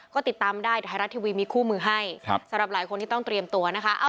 ก็ติดตามได้ไทยรัฐทีวีมีคู่มือให้สำหรับหลายคนที่ต้องเตรียมตัวนะคะ